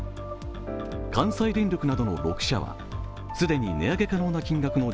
関西電力などの６社は既に値上げ可能な金額の